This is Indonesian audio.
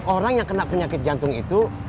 orang yang kena penyakit jantung itu